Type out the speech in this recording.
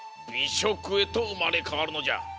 しょくへとうまれかわるのじゃ。